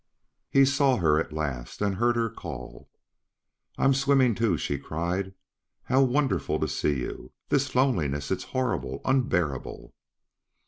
He saw her at last, and heard her call: "I am swimming, too," she cried. "How wonderful to see you! This loneliness! It is horrible unbearable!"